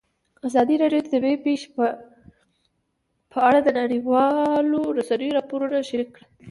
ازادي راډیو د طبیعي پېښې په اړه د نړیوالو رسنیو راپورونه شریک کړي.